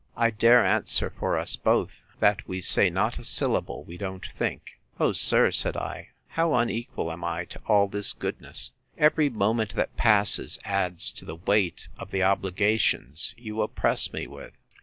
I dare answer for us both, that we say not a syllable we don't think. O sir, said I, how unequal am I to all this goodness! Every moment that passes adds to the weight of the obligations you oppress me with.